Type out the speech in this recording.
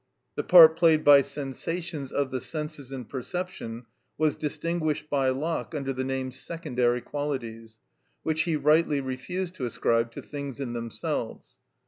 The part played by sensations of the senses in perception was distinguished by Locke under the name secondary qualities, which he rightly refused to ascribe to things in themselves.